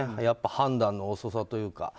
やっぱり判断の遅さというか。